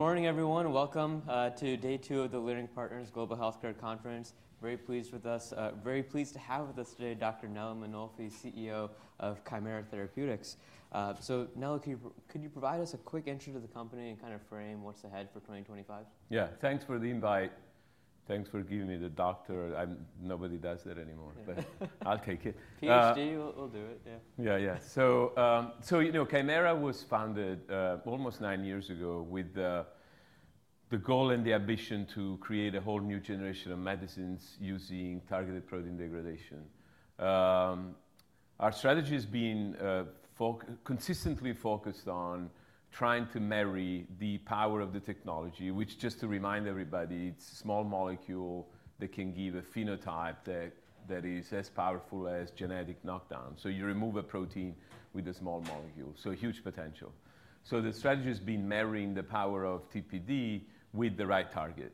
Good morning, everyone. Welcome to day two of the Leerink Partners Global Biopharma Conference. Very pleased to have with us today Dr. Nello Mainolfi, CEO of Kymera Therapeutics. Nello, could you provide us a quick intro to the company and kind of frame what's ahead for 2025? Yeah, thanks for the invite. Thanks for giving me the doctor. Nobody does that anymore, but I'll take it. PhD will do it, yeah. Yeah, yeah. You know, Kymera was founded almost nine years ago with the goal and the ambition to create a whole new generation of medicines using targeted protein degradation. Our strategy has been consistently focused on trying to marry the power of the technology, which, just to remind everybody, it's a small molecule that can give a phenotype that is as powerful as genetic knockdown. You remove a protein with a small molecule. Huge potential. The strategy has been marrying the power of TPD with the right target.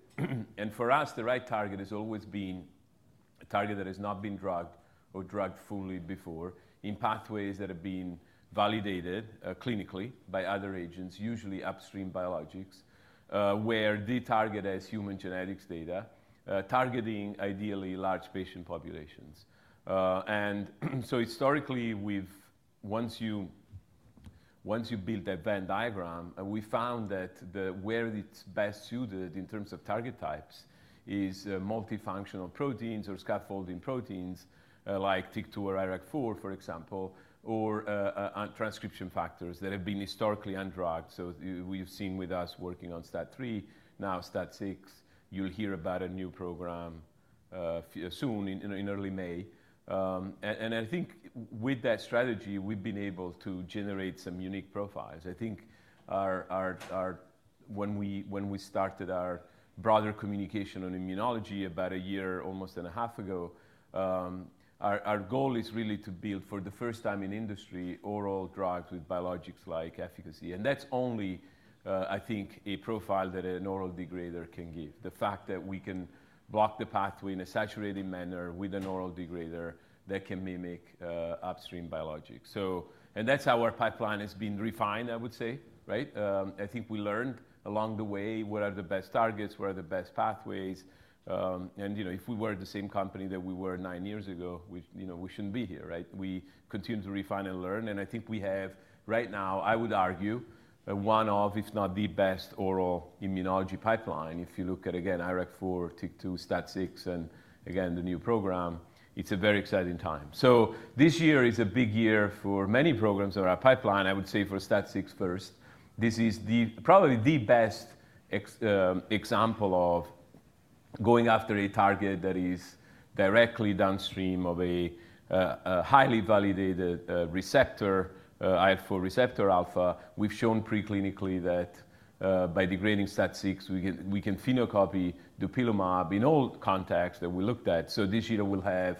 For us, the right target has always been a target that has not been drugged or drugged fully before in pathways that have been validated clinically by other agents, usually upstream biologics, where the target has human genetics data, targeting ideally large patient populations. Historically, once you build that Venn diagram, we found that where it's best suited in terms of target types is multifunctional proteins or scaffolding proteins like TYK2 or IRAK4, for example, or transcription factors that have been historically undrugged. We've seen with us working on STAT3, now STAT4. You'll hear about a new program soon in early May. I think with that strategy, we've been able to generate some unique profiles. I think when we started our broader communication on immunology about a year, almost a half ago, our goal is really to build, for the first time in industry, oral drugs with biologics-like efficacy. That's only, I think, a profile that an oral degrader can give. The fact that we can block the pathway in a saturated manner with an oral degrader that can mimic upstream biologics. That is how our pipeline has been refined, I would say, right? I think we learned along the way what are the best targets, what are the best pathways. And, you know, if we were the same company that we were nine years ago, we shouldn't be here, right? We continue to refine and learn. I think we have right now, I would argue, one of, if not the best oral immunology pipeline. If you look at, again, IRAK4, TYK2, STAT6, and again, the new program, it's a very exciting time. This year is a big year for many programs in our pipeline. I would say for STAT6 first, this is probably the best example of going after a target that is directly downstream of a highly validated receptor, IL-4 receptor alpha. We've shown preclinically that by degrading STAT6, we can phenocopy the dupilumab in all contexts that we looked at. This year we'll have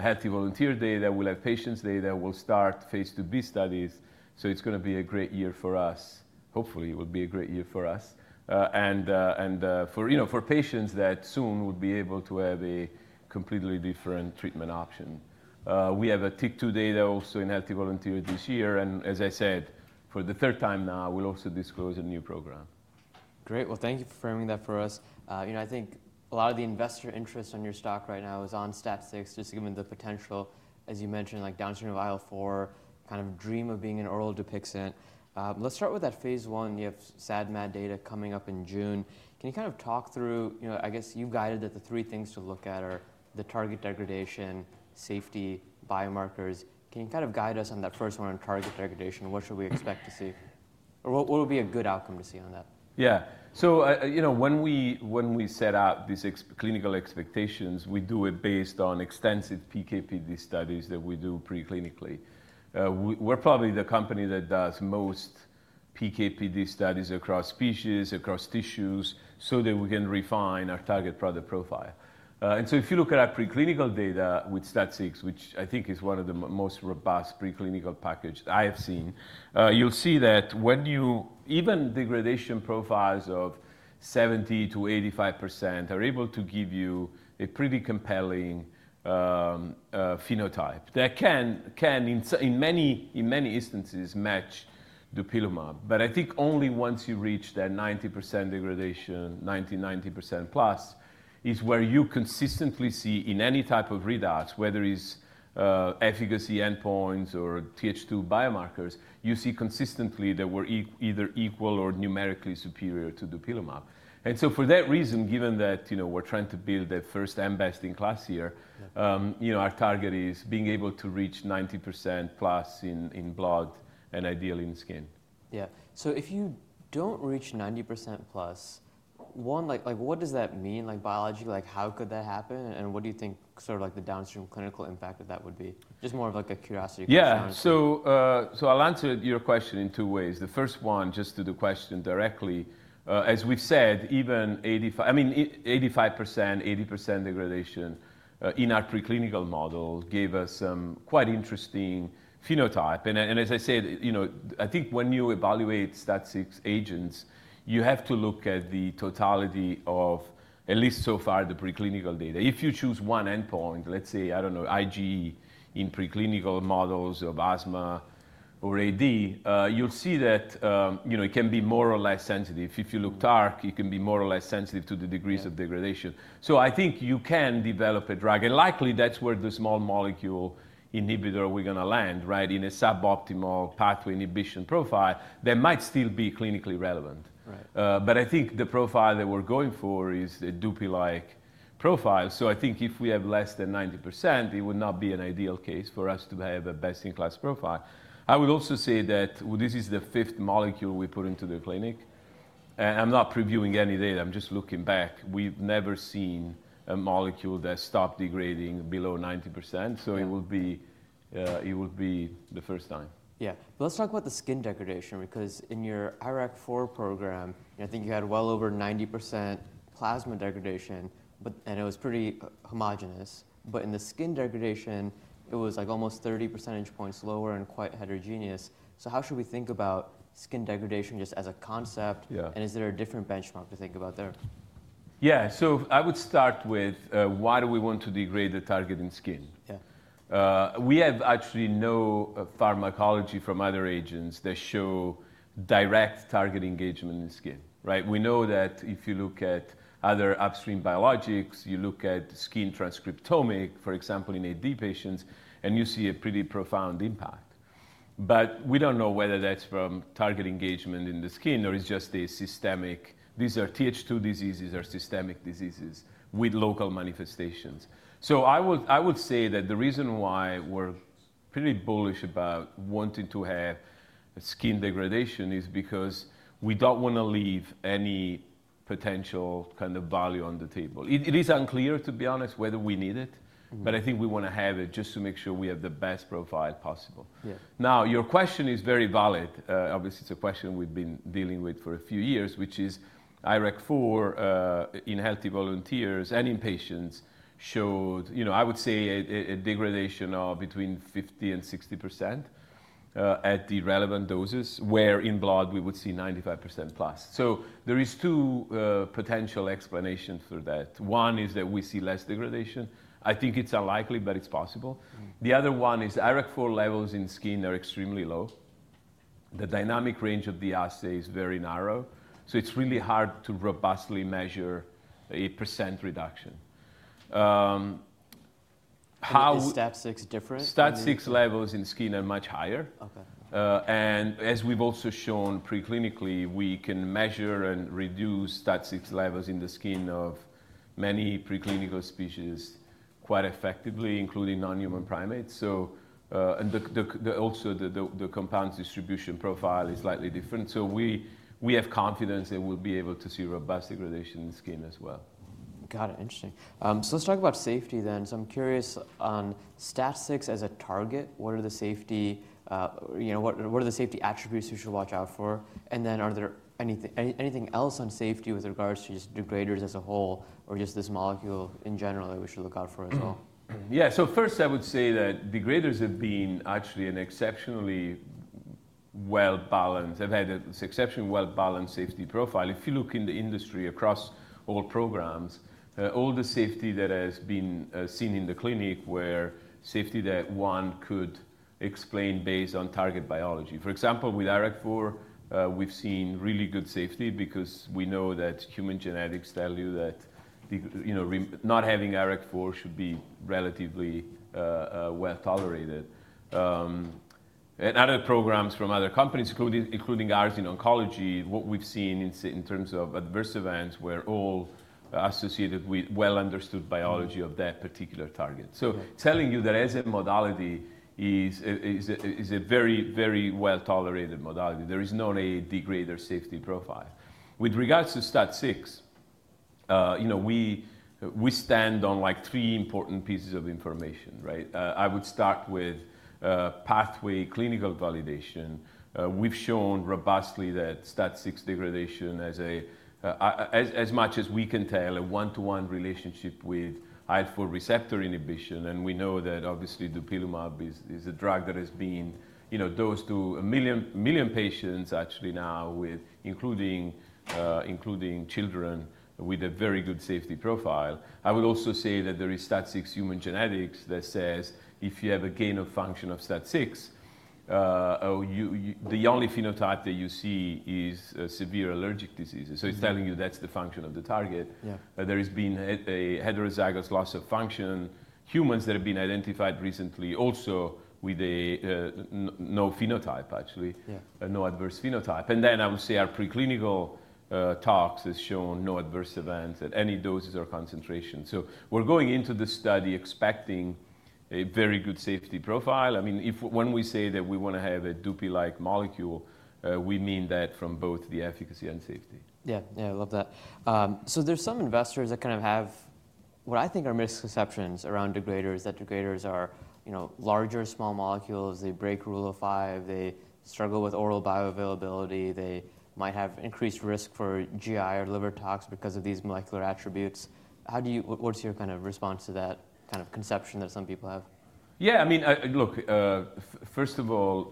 healthy volunteer data, we'll have patients' data, we'll start Phase 2b studies. It is going to be a great year for us. Hopefully, it will be a great year for us. For patients that soon will be able to have a completely different treatment option. We have a TYK2 data also in healthy volunteer this year. As I said, for the third time now, we'll also disclose a new program. Great. Thank you for framing that for us. You know, I think a lot of the investor interest on your stock right now is on STAT6, just given the potential, as you mentioned, like downstream of IL-4, kind of dream of being an oral Dupixent. Let's start with that Phase 1. You have SAD/MAD data coming up in June. Can you kind of talk through, you know, I guess you guided that the three things to look at are the target degradation, safety, biomarkers. Can you kind of guide us on that first one on target degradation? What should we expect to see? What would be a good outcome to see on that? Yeah. So, you know, when we set out these clinical expectations, we do it based on extensive PKPD studies that we do preclinically. We're probably the company that does most PKPD studies across species, across tissues, so that we can refine our target product profile. If you look at our preclinical data with STAT6, which I think is one of the most robust preclinical packages I have seen, you'll see that when you even degradation profiles of 70%-85% are able to give you a pretty compelling phenotype that can, in many instances, match dupilumab. I think only once you reach that 90% degradation, 90%, 90% plus is where you consistently see in any type of readout, whether it's efficacy endpoints or Th2 biomarkers, you see consistently that we're either equal or numerically superior to dupilumab. For that reason, given that, you know, we're trying to build that first and best in class here, you know, our target is being able to reach 90% plus in blood and ideally in skin. Yeah. If you don't reach 90% plus, like what does that mean? Like biologically, how could that happen? What do you think sort of the downstream clinical impact of that would be? Just more of a curiosity question. Yeah. I'll answer your question in two ways. The first one, just to the question directly, as we've said, even 85%, I mean, 85%, 80% degradation in our preclinical model gave us some quite interesting phenotype. As I said, you know, I think when you evaluate STAT6 agents, you have to look at the totality of, at least so far, the preclinical data. If you choose one endpoint, let's say, I don't know, IgE in preclinical models of asthma or atopic dermatitis, you'll see that, you know, it can be more or less sensitive. If you look, it can be more or less sensitive to the degrees of degradation. I think you can develop a drug. Likely that's where the small molecule inhibitor we're going to land, right, in a suboptimal pathway inhibition profile that might still be clinically relevant. I think the profile that we're going for is a Dupixent profile. I think if we have less than 90%, it would not be an ideal case for us to have a best-in-class profile. I would also say that this is the fifth molecule we put into the clinic. I'm not previewing any data. I'm just looking back. We've never seen a molecule that stopped degrading below 90%. It will be the first time. Yeah. Let's talk about the skin degradation, because in your IRAK4 program, I think you had well over 90% plasma degradation, and it was pretty homogenous. In the skin degradation, it was like almost 30 percentage points lower and quite heterogeneous. How should we think about skin degradation just as a concept? Is there a different benchmark to think about there? Yeah. I would start with why do we want to degrade the target in skin? Yeah. We have actually no pharmacology from other agents that show direct target engagement in skin, right? We know that if you look at other upstream biologics, you look at skin transcriptomic, for example, in AD patients, and you see a pretty profound impact. We do not know whether that is from target engagement in the skin or it is just a systemic—these are Th2 diseases or systemic diseases with local manifestations. I would say that the reason why we are pretty bullish about wanting to have skin degradation is because we do not want to leave any potential kind of value on the table. It is unclear, to be honest, whether we need it, but I think we want to have it just to make sure we have the best profile possible. Now, your question is very valid. Obviously, it's a question we've been dealing with for a few years, which is IRAK4 in healthy volunteers and in patients showed, you know, I would say a degradation of between 50% and 60% at the relevant doses, where in blood we would see 95% plus. There are two potential explanations for that. One is that we see less degradation. I think it's unlikely, but it's possible. The other one is IRAK4 levels in skin are extremely low. The dynamic range of the assay is very narrow. It's really hard to robustly measure a percent reduction. Is STAT6 different? STAT6 levels in skin are much higher. As we've also shown preclinically, we can measure and reduce STAT6 levels in the skin of many preclinical species quite effectively, including non-human primates. The compound distribution profile is slightly different. We have confidence that we'll be able to see robust degradation in skin as well. Got it. Interesting. Let's talk about safety then. I'm curious on STAT6 as a target, what are the safety attributes we should watch out for? Are there anything else on safety with regards to just degraders as a whole or just this molecule in general that we should look out for as well? Yeah. First, I would say that degraders have been actually an exceptionally well-balanced—I have had an exceptionally well-balanced safety profile. If you look in the industry across all programs, all the safety that has been seen in the clinic were safety that one could explain based on target biology. For example, with IRAK4, we have seen really good safety because we know that human genetics tell you that not having IRAK4 should be relatively well tolerated. Other programs from other companies, including ours in oncology, what we have seen in terms of adverse events were all associated with well-understood biology of that particular target. Telling you that as a modality, it is a very, very well-tolerated modality. There is not a degrader safety profile. With regards to STAT6, you know, we stand on like three important pieces of information, right? I would start with pathway clinical validation. We've shown robustly that STAT6 degradation, as much as we can tell, a one-to-one relationship with IL-4 receptor inhibition. And we know that obviously dupilumab is a drug that has been, you know, dosed to a million patients actually now, including children with a very good safety profile. I would also say that there is STAT6 human genetics that says if you have a gain of function of STAT6, the only phenotype that you see is severe allergic diseases. So it's telling you that's the function of the target. There has been a heterozygous loss of function. Humans that have been identified recently also with no phenotype, actually, no adverse phenotype. And then I would say our preclinical tox have shown no adverse events at any doses or concentration. So we're going into the study expecting a very good safety profile. I mean, when we say that we want to have a Dupixent-like molecule, we mean that from both the efficacy and safety. Yeah. Yeah, I love that. There are some investors that kind of have what I think are misconceptions around degraders, that degraders are, you know, larger small molecules. They break rule of five. They struggle with oral bioavailability. They might have increased risk for GI or liver tox because of these molecular attributes. What is your kind of response to that kind of conception that some people have? Yeah. I mean, look, first of all,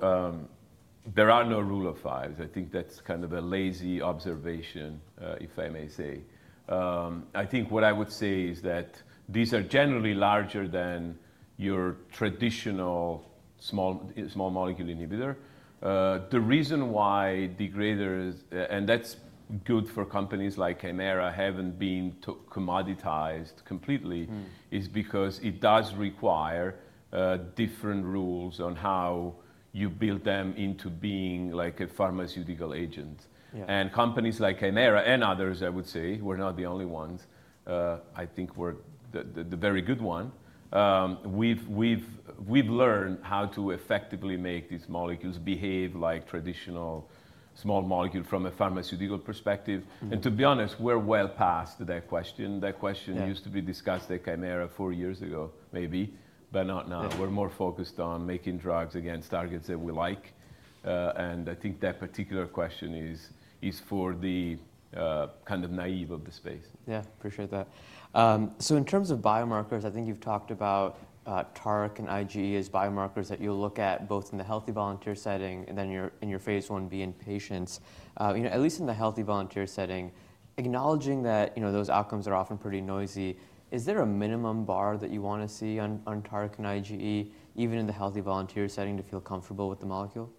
there are no Rule of Five. I think that's kind of a lazy observation, if I may say. I think what I would say is that these are generally larger than your traditional small molecule inhibitor. The reason why degraders, and that's good for companies like Kymera, haven't been commoditized completely, is because it does require different rules on how you build them into being like a pharmaceutical agent. Companies like Kymera and others, I would say, we're not the only ones. I think we're the very good one. We've learned how to effectively make these molecules behave like traditional small molecules from a pharmaceutical perspective. To be honest, we're well past that question. That question used to be discussed at Kymera four years ago, maybe, but not now. We're more focused on making drugs against targets that we like. I think that particular question is for the kind of naive of the space. Yeah. Appreciate that. In terms of biomarkers, I think you've talked about TARC and IgE as biomarkers that you'll look at both in the healthy volunteer setting and then in your Phase 1b in patients. You know, at least in the healthy volunteer setting, acknowledging that, you know, those outcomes are often pretty noisy, is there a minimum bar that you want to see on TARC and IgE, even in the healthy volunteer setting, to feel comfortable with the molecule?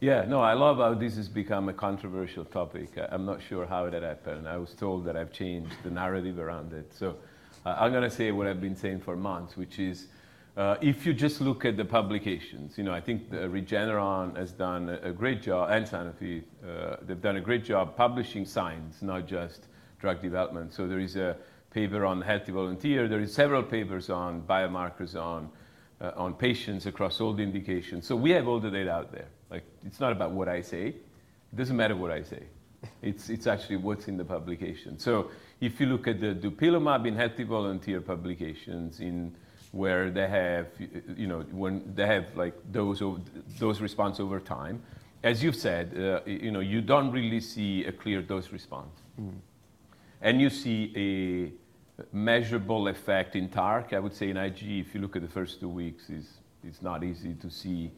Yeah. No, I love how this has become a controversial topic. I'm not sure how it happened. I was told that I've changed the narrative around it. I'm going to say what I've been saying for months, which is if you just look at the publications, you know, I think Regeneron has done a great job and Sanofi, they've done a great job publishing science, not just drug development. There is a paper on healthy volunteer. There are several papers on biomarkers on patients across all the indications. We have all the data out there. Like it's not about what I say. It doesn't matter what I say. It's actually what's in the publication. If you look at the dupilumab in healthy volunteer publications where they have, you know, when they have like those response over time, as you've said, you know, you don't really see a clear dose response. You see a measurable effect in TARC. I would say in IgE, if you look at the first two weeks, it's not easy to see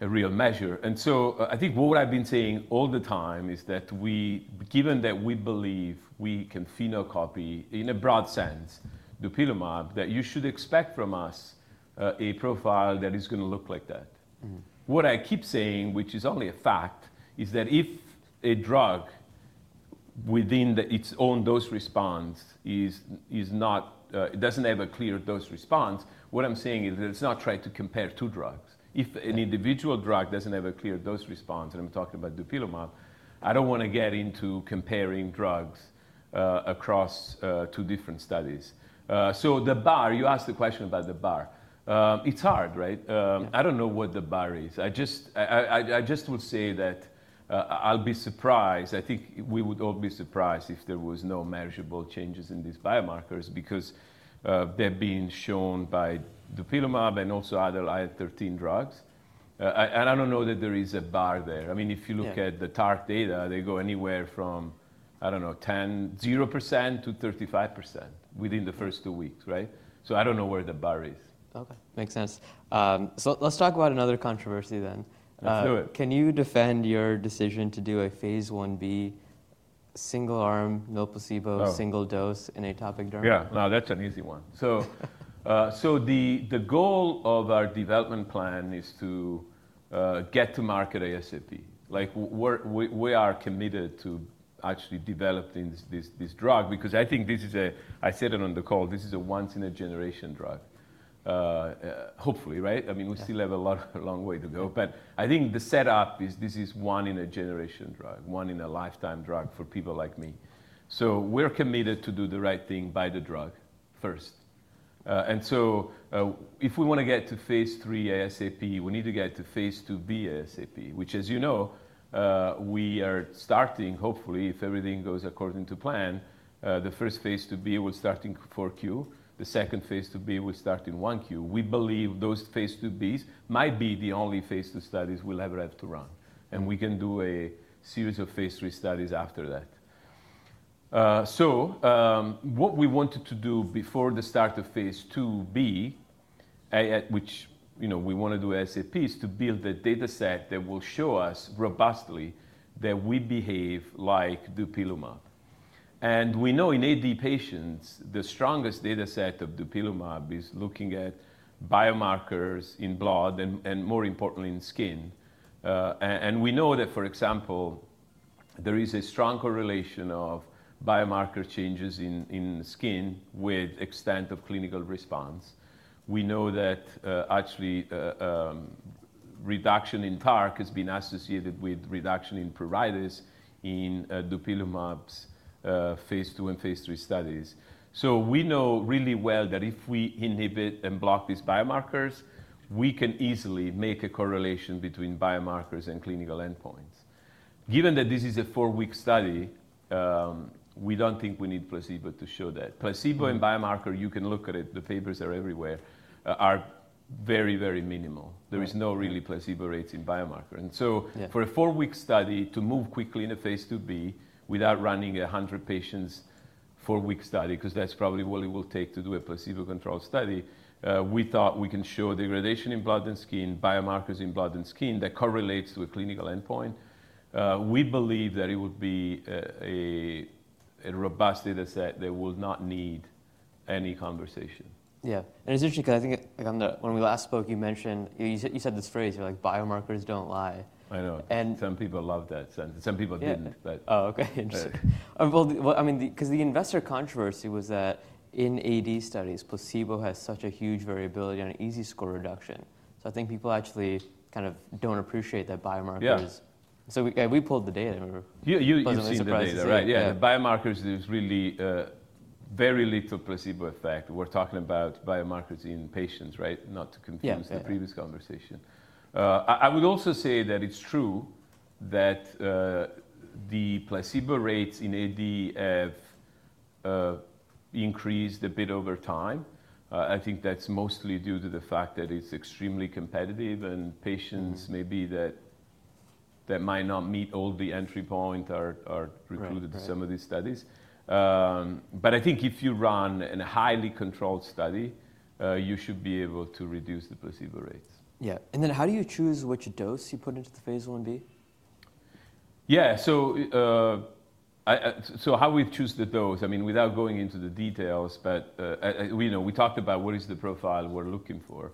a real measure. I think what I've been saying all the time is that we, given that we believe we can phenocopy in a broad sense the dupilumab, that you should expect from us a profile that is going to look like that. What I keep saying, which is only a fact, is that if a drug within its own dose response is not, it doesn't have a clear dose response, what I'm saying is that it's not trying to compare two drugs. If an individual drug doesn't have a clear dose response, and I'm talking about the dupilumab, I don't want to get into comparing drugs across two different studies. The bar, you asked the question about the bar. It's hard, right? I don't know what the bar is. I just would say that I'll be surprised. I think we would all be surprised if there were no measurable changes in these biomarkers because they've been shown by the dupilumab and also other IL-13 drugs. I don't know that there is a bar there. I mean, if you look at the TARC data, they go anywhere from, I don't know, 10% to 35% within the first two weeks, right? I don't know where the bar is. Okay. Makes sense. Let's talk about another controversy then. Let's do it. Can you defend your decision to do a Phase 1b single arm, no placebo, single dose in atopic derm? Yeah. No, that's an easy one. The goal of our development plan is to get to market ASAP. Like we are committed to actually developing this drug because I think this is a, I said it on the call, this is a once-in-a-generation drug, hopefully, right? I mean, we still have a long way to go. I think the setup is this is one-in-a-generation drug, one-in-a-lifetime drug for people like me. We are committed to do the right thing by the drug first. If we want to get to Phase 3 ASAP, we need to get to Phase 2b ASAP, which, as you know, we are starting, hopefully, if everything goes according to plan, the first Phase 2b will start in 4Q. The second Phase 2b will start in 1Q. We believe those Phase 2b's might be the only Phase 2 studies we'll ever have to run. We can do a series of Phase 3 studies after that. What we wanted to do before the start of Phase 2b, which, you know, we want to do ASAP, is to build a data set that will show us robustly that we behave like dupilumab. We know in AD patients, the strongest data set of dupilumab is looking at biomarkers in blood and, more importantly, in skin. We know that, for example, there is a strong correlation of biomarker changes in skin with extent of clinical response. We know that actually reduction in TARC has been associated with reduction in pruritus in dupilumab's Phase 2 and Phase 3 studies. We know really well that if we inhibit and block these biomarkers, we can easily make a correlation between biomarkers and clinical endpoints. Given that this is a four-week study, we do not think we need placebo to show that. Placebo and biomarker, you can look at it, the papers are everywhere, are very, very minimal. There is no really placebo rates in biomarker. For a four-week study to move quickly in a Phase 2b without running a hundred patients' four-week study, because that is probably what it will take to do a placebo-controlled study, we thought we can show degradation in blood and skin, biomarkers in blood and skin that correlates to a clinical endpoint. We believe that it would be a robust data set that will not need any conversation. Yeah. It's interesting because I think when we last spoke, you mentioned, you said this phrase, you're like, biomarkers don't lie. I know. Some people love that sentence. Some people didn't. Oh, okay. Interesting. I mean, because the investor controversy was that in AD studies, placebo has such a huge variability on EASI score reduction. I think people actually kind of don't appreciate that, biomarkers. We pulled the data. You said the data, right? Yeah. Biomarkers is really very little placebo effect. We're talking about biomarkers in patients, right? Not to confuse the previous conversation. I would also say that it's true that the placebo rates in AD have increased a bit over time. I think that's mostly due to the fact that it's extremely competitive and patients maybe that might not meet all the entry points are recruited to some of these studies. I think if you run a highly controlled study, you should be able to reduce the placebo rates. Yeah. How do you choose which dose you put into the Phase 1b? Yeah. So how we choose the dose, I mean, without going into the details, but we talked about what is the profile we're looking for,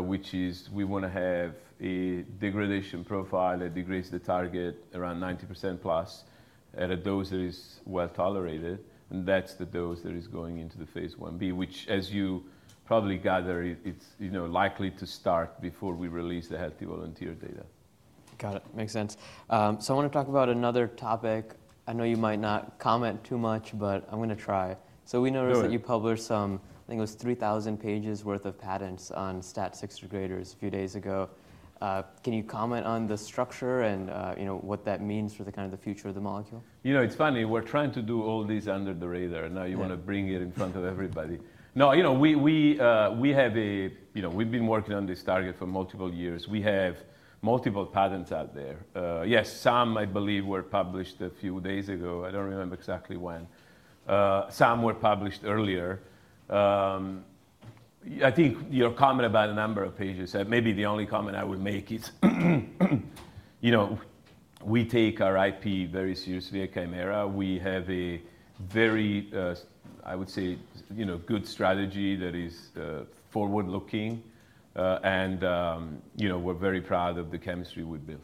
which is we want to have a degradation profile that degrades the target around 90% plus at a dose that is well tolerated. That's the dose that is going into the Phase 1b, which, as you probably gather, it's likely to start before we release the healthy volunteer data. Got it. Makes sense. I want to talk about another topic. I know you might not comment too much, but I'm going to try. We noticed that you published some, I think it was 3,000 pages worth of patents on STAT6 degraders a few days ago. Can you comment on the structure and, you know, what that means for the kind of the future of the molecule? You know, it's funny. We're trying to do all this under the radar. Now you want to bring it in front of everybody. No, you know, we have a, you know, we've been working on this target for multiple years. We have multiple patents out there. Yes, some, I believe, were published a few days ago. I don't remember exactly when. Some were published earlier. I think your comment about the number of pages, maybe the only comment I would make is, you know, we take our IP very seriously at Kymera. We have a very, I would say, you know, good strategy that is forward-looking. You know, we're very proud of the chemistry we've built.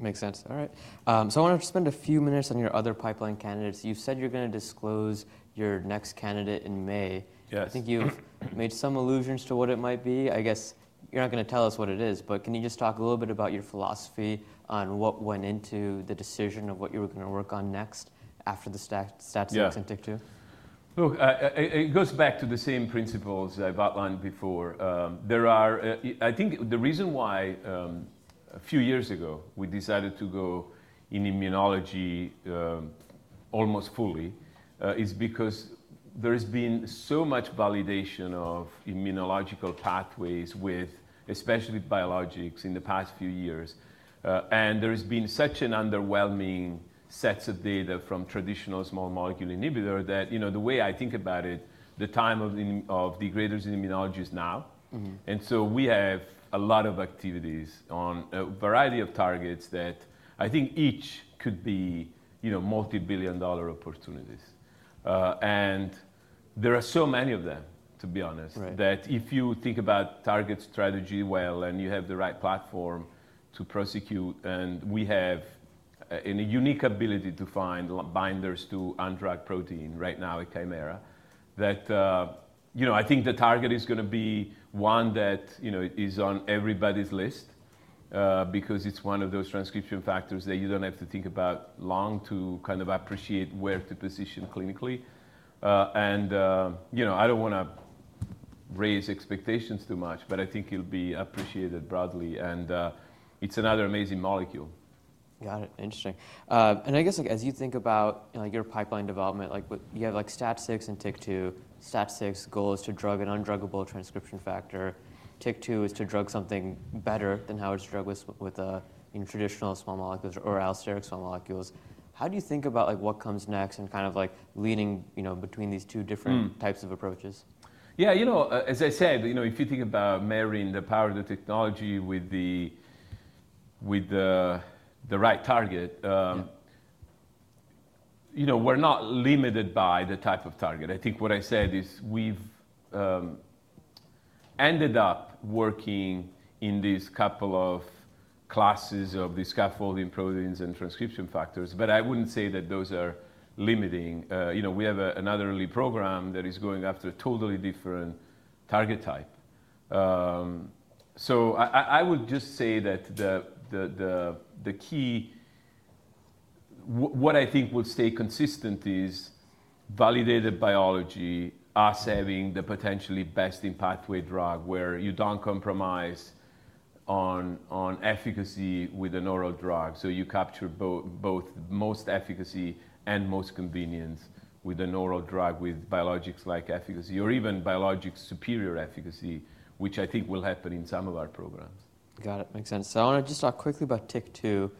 Makes sense. All right. I want to spend a few minutes on your other pipeline candidates. You said you're going to disclose your next candidate in May. I think you've made some allusions to what it might be. I guess you're not going to tell us what it is, but can you just talk a little bit about your philosophy on what went into the decision of what you were going to work on next after the STAT6 and TYK2? Look, it goes back to the same principles I've outlined before. There are, I think the reason why a few years ago we decided to go in immunology almost fully is because there has been so much validation of immunological pathways with, especially biologics, in the past few years. There has been such an underwhelming set of data from traditional small molecule inhibitor that, you know, the way I think about it, the time of degraders in immunology is now. We have a lot of activities on a variety of targets that I think each could be, you know, multi-billion dollar opportunities. There are so many of them, to be honest, that if you think about target strategy well and you have the right platform to prosecute, and we have a unique ability to find binders to undrug protein right now at Kymera, that, you know, I think the target is going to be one that, you know, is on everybody's list because it's one of those transcription factors that you don't have to think about long to kind of appreciate where to position clinically. You know, I don't want to raise expectations too much, but I think it'll be appreciated broadly. It is another amazing molecule. Got it. Interesting. I guess as you think about your pipeline development, like you have like STAT6 and TYK2. STAT6 goal is to drug an undruggable transcription factor. TYK2 is to drug something better than how it's drugged with traditional small molecules or allosteric small molecules. How do you think about what comes next and kind of like leaning, you know, between these two different types of approaches? Yeah. You know, as I said, you know, if you think about marrying the power of the technology with the right target, you know, we're not limited by the type of target. I think what I said is we've ended up working in these couple of classes of these scaffolding proteins and transcription factors, but I wouldn't say that those are limiting. You know, we have another early program that is going after a totally different target type. I would just say that the key, what I think will stay consistent is validated biology, us having the potentially best in pathway drug where you don't compromise on efficacy with an oral drug. You capture both most efficacy and most convenience with an oral drug with biologics-like efficacy or even biologics-superior efficacy, which I think will happen in some of our programs. Got it. Makes sense. I want to just talk quickly about TYK2.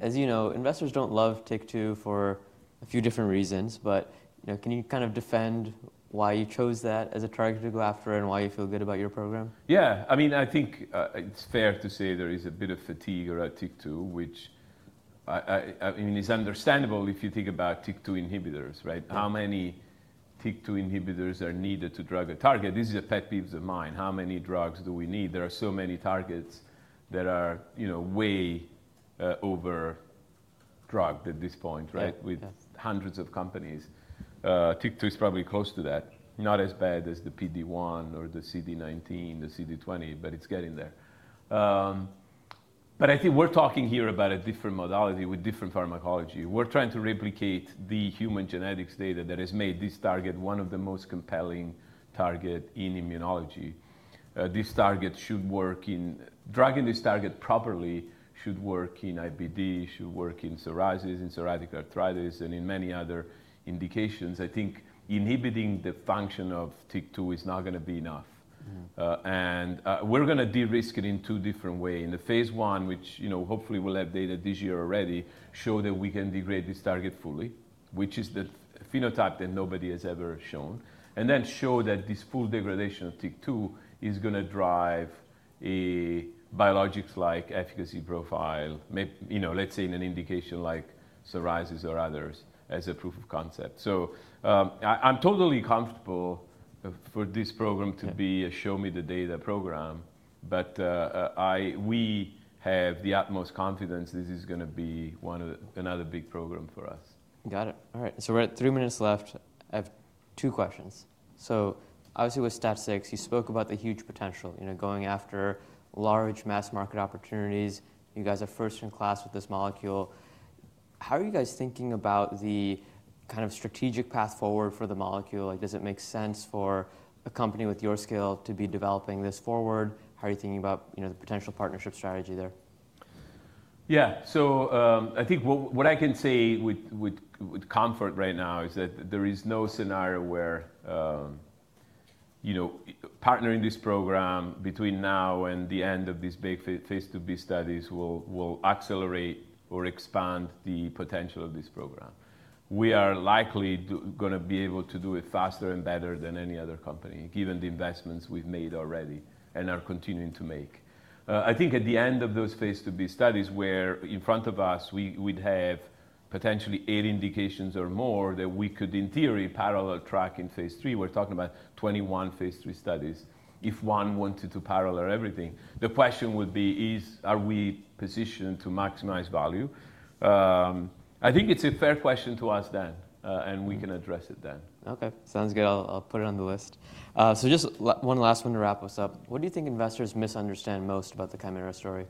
As you know, investors do not love TYK2 for a few different reasons, but can you kind of defend why you chose that as a target to go after and why you feel good about your program? Yeah. I mean, I think it's fair to say there is a bit of fatigue around TYK2, which, I mean, it's understandable if you think about TYK2 inhibitors, right? How many TYK2 inhibitors are needed to drug a target? This is a pet peeve of mine. How many drugs do we need? There are so many targets that are, you know, way over drugged at this point, right? With hundreds of companies. TYK2 is probably close to that. Not as bad as the PD-1 or the CD19, the CD20, but it's getting there. I think we're talking here about a different modality with different pharmacology. We're trying to replicate the human genetics data that has made this target one of the most compelling targets in immunology. This target should work in, drugging this target properly should work in IBD, should work in psoriasis, in psoriatic arthritis, and in many other indications. I think inhibiting the function of TYK2 is not going to be enough. We are going to de-risk it in two different ways. In the Phase 1, which, you know, hopefully we'll have data this year already, show that we can degrade this target fully, which is the phenotype that nobody has ever shown. Then show that this full degradation of TYK2 is going to drive a biologics-like efficacy profile, you know, let's say in an indication like psoriasis or others as a proof of concept. I am totally comfortable for this program to be a show-me-the-data program, but we have the utmost confidence this is going to be another big program for us. Got it. All right. We are at three minutes left. I have two questions. Obviously with STAT6, you spoke about the huge potential, you know, going after large mass market opportunities. You guys are first in class with this molecule. How are you guys thinking about the kind of strategic path forward for the molecule? Like, does it make sense for a company with your scale to be developing this forward? How are you thinking about, you know, the potential partnership strategy there? Yeah. I think what I can say with comfort right now is that there is no scenario where, you know, partnering this program between now and the end of these big Phase 2b studies will accelerate or expand the potential of this program. We are likely going to be able to do it faster and better than any other company, given the investments we've made already and are continuing to make. I think at the end of those Phase 2b studies where in front of us, we'd have potentially eight indications or more that we could, in theory, parallel track in Phase 3. We're talking about 21 Phase 3 studies if one wanted to parallel everything. The question would be, are we positioned to maximize value? I think it's a fair question to us then, and we can address it then. Okay. Sounds good. I'll put it on the list. Just one last one to wrap us up. What do you think investors misunderstand most about the Kymera story?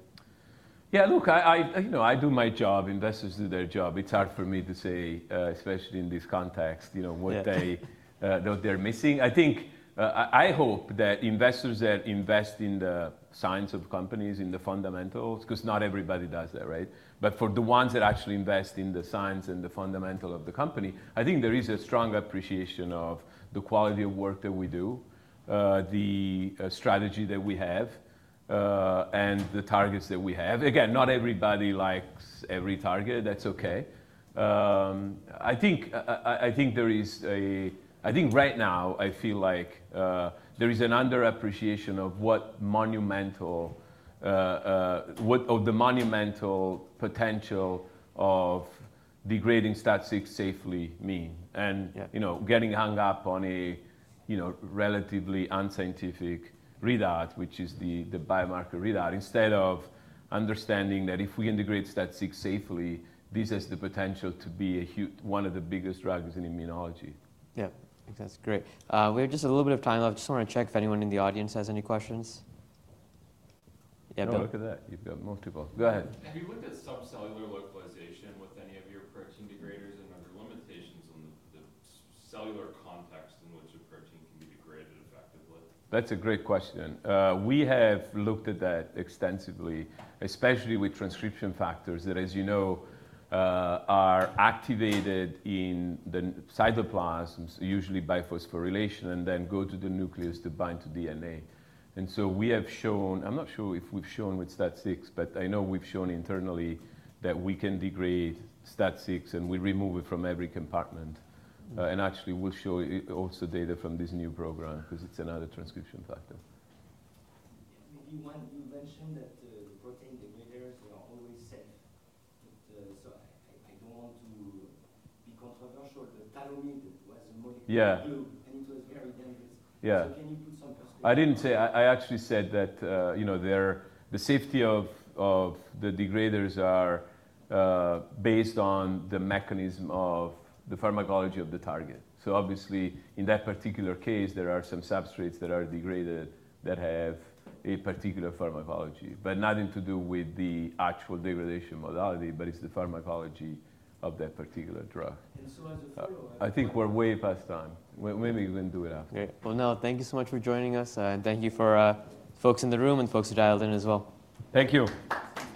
Yeah. Look, I, you know, I do my job. Investors do their job. It's hard for me to say, especially in this context, you know, what they're missing. I think I hope that investors that invest in the science of companies, in the fundamentals, because not everybody does that, right? For the ones that actually invest in the science and the fundamental of the company, I think there is a strong appreciation of the quality of work that we do, the strategy that we have, and the targets that we have. Again, not everybody likes every target. That's okay. I think there is a, I think right now, I feel like there is an underappreciation of what the monumental potential of degrading STAT6 safely means. You know, getting hung up on a, you know, relatively unscientific readout, which is the biomarker readout, instead of understanding that if we integrate STAT6 safely, this has the potential to be one of the biggest drugs in immunology. Yeah. That's great. We have just a little bit of time left. I just want to check if anyone in the audience has any questions. No, look at that. You've got multiple. Go ahead. Have you looked at subcellular localization with any of your protein degraders and other limitations in the cellular context in which a protein can be degraded effectively? That's a great question. We have looked at that extensively, especially with transcription factors that, as you know, are activated in the cytoplasms, usually by phosphorylation, and then go to the nucleus to bind to DNA. We have shown, I'm not sure if we've shown with STAT6, but I know we've shown internally that we can degrade STAT6 and we remove it from every compartment. Actually, we'll show also data from this new program because it's another transcription factor. You mentioned that the protein degraders, they are always safe. I do not want to be controversial. The thalidomide was a molecule that grew, and it was very dangerous. Can you put some perspective? I didn't say, I actually said that, you know, the safety of the degraders are based on the mechanism of the pharmacology of the target. Obviously, in that particular case, there are some substrates that are degraded that have a particular pharmacology, but nothing to do with the actual degradation modality, but it's the pharmacology of that particular drug. As a follow-up. I think we're way past time. Maybe we can do it after. Thank you so much for joining us. Thank you for folks in the room and folks who dialed in as well. Thank you.